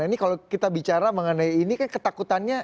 ini kalau kita bicara mengenai ini kan ketakutannya